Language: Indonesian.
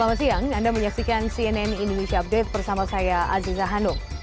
selamat siang anda menyaksikan cnn indonesia update bersama saya aziza hanum